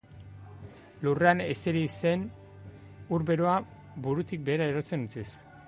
Lurrean ezeri zen ur beroa burutik behera erortzen utziz.